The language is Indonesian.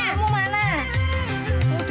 jangan terlalu banyak